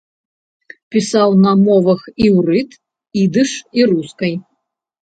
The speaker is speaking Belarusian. Пісаў на мовах іўрыт, ідыш і рускай.